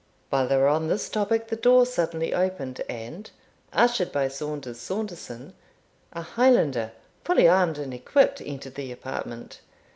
While they were on this topic, the door suddenly opened, and, ushered by Saunders Saunderson, a Highlander, fully armed and equipped, entered the apartment.